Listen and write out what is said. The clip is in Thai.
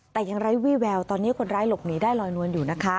แต่ยังไร้วี่แววตอนนี้คนร้ายหลบหนีได้ลอยนวลอยู่นะคะ